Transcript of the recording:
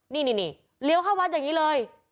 นี่เลี้ยวเข้าวัดอย่างนี้เลย